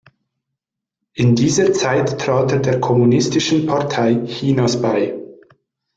In dieser Zeit trat er der Kommunistischen Partei Chinas bei.